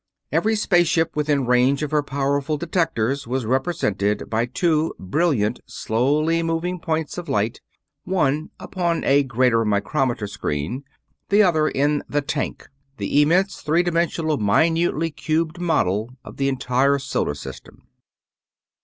Every space ship within range of her powerful detectors was represented by two brilliant, slowly moving points of light; one upon a greater micrometer screen, the other in the "tank," the immense, three dimensional, minutely cubed model of the entire Solar System.